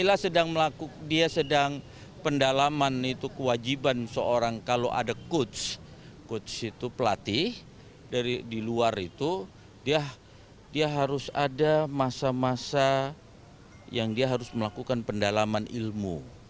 bila sedang melakukan dia sedang pendalaman itu kewajiban seorang kalau ada coach coach itu pelatih dari di luar itu dia harus ada masa masa yang dia harus melakukan pendalaman ilmu